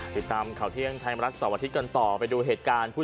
ติดตามเขาเที่ยงไทยมรัฐสวทิศกันต่อไปดูเหตุการณ์ผู้